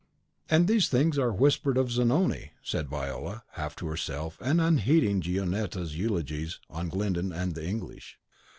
"And these things are whispered of Zanoni!" said Viola, half to herself, and unheeding Gionetta's eulogies on Glyndon and the English.